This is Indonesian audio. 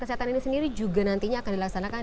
kesehatan ini sendiri juga nantinya akan dilaksanakan